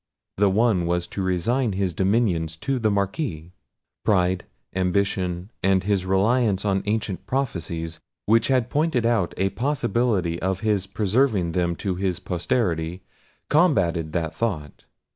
The one was to resign his dominions to the Marquis—pride, ambition, and his reliance on ancient prophecies, which had pointed out a possibility of his preserving them to his posterity, combated that thought.